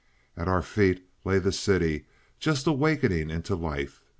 At our feet lay the city, just awakening into life.